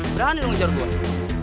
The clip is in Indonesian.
berani lu ngejar gue